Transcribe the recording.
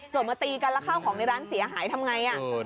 มาตีกันแล้วข้าวของในร้านเสียหายทำไง